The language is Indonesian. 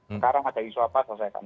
sekarang ada isu apa selesaikan